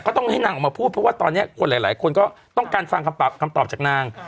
ต้องให้นางออกมาพูดเพราะว่าตอนนี้คนหลายคนก็ต้องการฟังคำตอบจากนาง